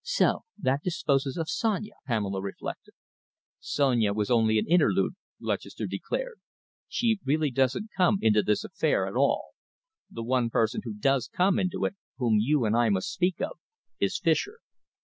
"So that disposes of Sonia," Pamela reflected. "Sonia was only an interlude," Lutchester declared. "She really doesn't come into this affair at all. The one person who does come into it, whom you and I must speak of, is Fischer."